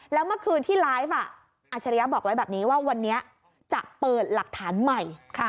แล้วเมื่อคืนที่ไลฟ์อาชริยะบอกไว้แบบนี้ว่าวันนี้จะเปิดหลักฐานใหม่